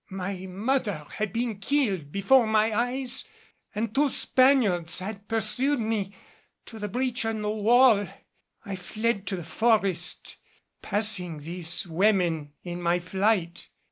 "My mother had been killed before my eyes and two Spaniards had pursued me to the breach in the wall. I fled to the forest, passing these women in my flight.